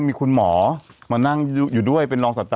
ไม่อรรหมอพลาไม่ได้